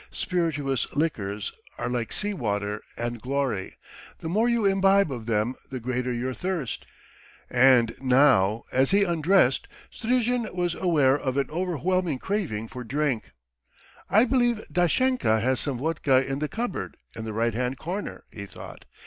Spirituous liquors are like sea water and glory: the more you imbibe of them the greater your thirst. And now as he undressed, Strizhin was aware of an overwhelming craving for drink. "I believe Dashenka has some vodka in the cupboard in the right hand corner," he thought.